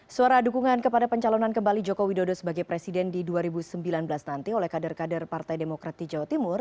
suara dukungan kepada pencalonan kembali joko widodo sebagai presiden di dua ribu sembilan belas nanti oleh kader kader partai demokrat di jawa timur